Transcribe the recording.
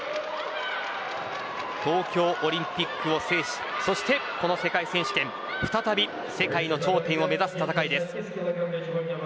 東京オリンピックを制しそしてこの世界選手権再び世界の頂点を目指す戦いです。